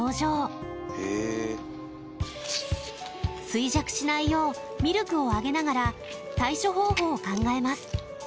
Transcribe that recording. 衰弱しないようミルクをあげながら対処方法を考えます